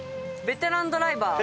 ベテランドライバー。